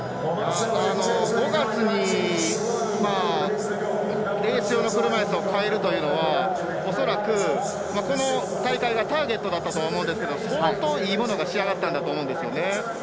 ５月にレース用の車いすを変えるというのは恐らくこの大会はターゲットだったとは思うんですが相当いいものが仕上がったんだと思うんですよね。